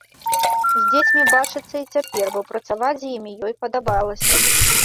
З дзецьмі бачыцца і цяпер, бо працаваць з імі ёй падабалася.